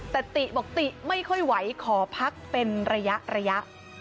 แต่ติบอกติไม่ค่อยไหวขอพักเป็นระยะ